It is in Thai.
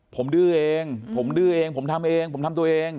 ผมดื้อเองผมดื้อเองผมทำเองผมทำตัวเอง